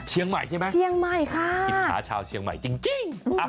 เชียงใหม่ใช่ไหมเชียงใหม่ค่ะอิจฉาชาวเชียงใหม่จริง